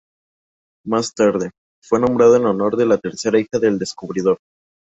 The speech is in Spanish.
Más tarde, fue nombrado en honor de la tercera hija del descubridor.